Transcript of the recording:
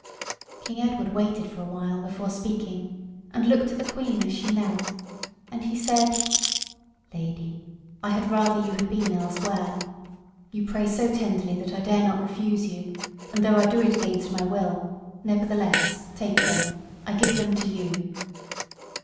King Edward waited for a while before speaking, and looked at the queen as she knelt, and he said "Lady, I had rather you had been elsewhere. You pray so tenderly that I dare not refuse you; and though I do it against my will, nevertheless take them. I give them to you."